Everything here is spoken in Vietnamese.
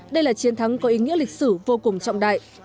đây là chiến thắng có ý nghĩa lịch sử vô cùng trọng đại